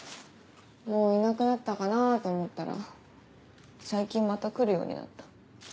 もういなくなったかなと思ったら最近また来るようになった。